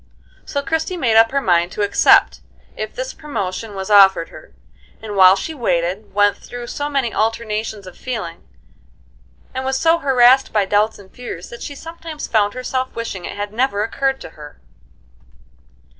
So Christie made up her mind to accept, if this promotion was offered her; and while she waited, went through so many alternations of feeling, and was so harassed by doubts and fears that she sometimes found herself wishing it had never occurred to her.